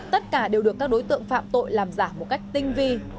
tất cả đều được các đối tượng phạm tội làm giả một cách tinh vi